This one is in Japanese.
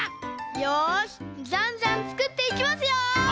よしじゃんじゃんつくっていきますよ！